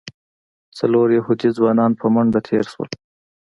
څلور یهودي ځوانان په منډه تېر شول.